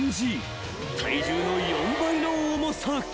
［体重の４倍の重さ］